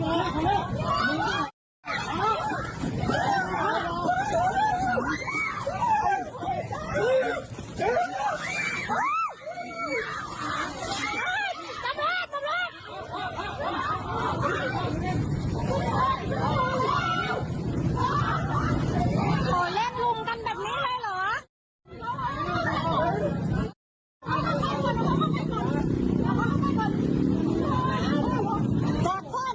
เกิดใจเป็นว่าใครถ่ายข้าวดูลมกับเหลือ